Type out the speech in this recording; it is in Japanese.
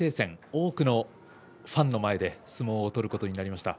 多くのファンの前で相撲を取ることになりました。